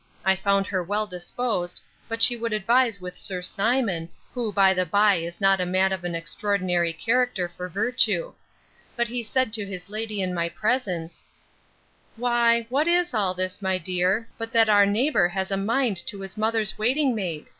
I found her well disposed, but she would advise with Sir Simon, who by the by is not a man of an extraordinary character for virtue; but he said to his lady in my presence, 'Why, what is all this, my dear, but that our neighbour has a mind to his mother's waiting maid!